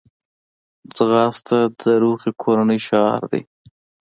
ځغاسته د روغې کورنۍ شعار دی